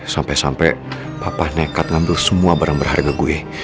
sampai sampai bapak nekat ngambil semua barang berharga gue